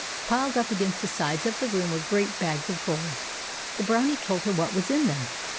Piled up against the sides of the room were great bags of gold. The Brownie told her what was in them.